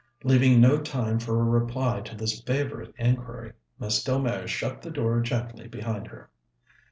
Leaving no time for a reply to this favourite inquiry, Miss Delmege shut the door gently behind her.